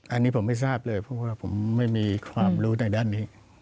อันนี้ผมไม่ทราบเลยเพราะว่าผมไม่มีความรู้ในด้านนี้